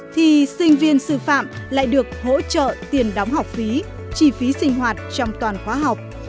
thì sinh viên sư phạm lại được hỗ trợ tiền đóng học phí chi phí sinh hoạt trong toàn khóa học